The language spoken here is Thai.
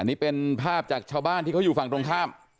นี่เป็นภาพจากชาวบ้านที่เขาอยู่ฝั่งตรงข้าม